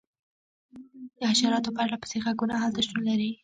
د حشراتو پرله پسې غږونه هلته شتون لري